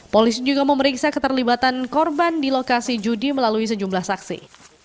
polisi juga memeriksa keterlibatan korban di lokasi judi melalui sejumlah saksi